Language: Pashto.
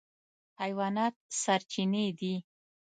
حیوانات سرچینې دي.